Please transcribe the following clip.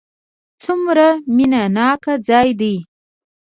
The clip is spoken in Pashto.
څومره مینه ناک ځای دی.